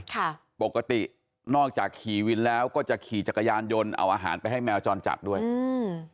ค่ะปกตินอกจากขี่วินแล้วก็จะขี่จักรยานยนต์เอาอาหารไปให้แมวจรจัดด้วยอืม